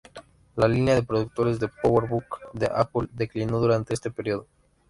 La línea de productos de PowerBook de Apple declinó durante este período.